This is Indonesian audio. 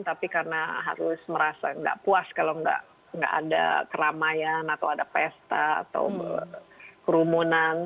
tapi karena harus merasa nggak puas kalau nggak ada keramaian atau ada pesta atau kerumunan